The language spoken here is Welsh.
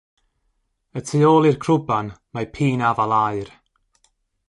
Y tu ôl i'r crwban mae pîn-afal aur.